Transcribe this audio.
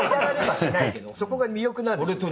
そこが魅力なんですけどね。